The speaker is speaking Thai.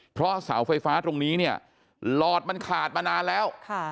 เพราะเสาไฟฟ้าตรงนี้เนี่ยหลอดมันขาดมานานแล้ว